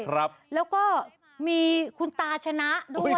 ครับแล้วก็มีคุณตาชนะด้วย